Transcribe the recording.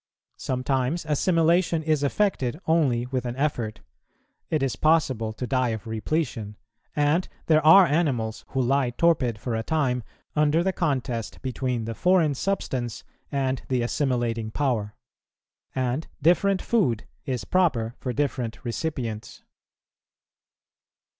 Sometimes assimilation is effected only with an effort; it is possible to die of repletion, and there are animals who lie torpid for a time under the contest between the foreign substance and the assimilating power. And different food is proper for different recipients.